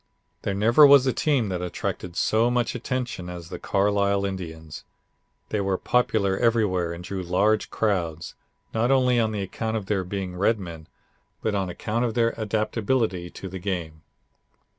There never was a team that attracted so much attention as the Carlisle Indians. They were popular everywhere and drew large crowds, not only on account of their being Redmen, but on account of their adaptability to the game.